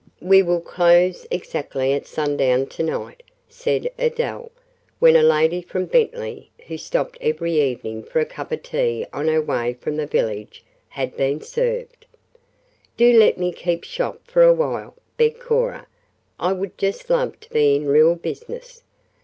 "We will close exactly at sundown to night," said Adele, when a lady from Bentley, who stopped every evening for a cup of tea on her way from the village, had been served. "Do let me keep shop for a while," begged Cora. "I would just love to be in real business.